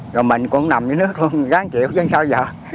rồi mình cũng nằm dưới nước luôn ráng chịu chứ sao giờ